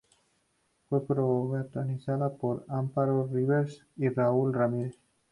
Fue protagonizada por Amparo Rivelles y Raúl Ramírez.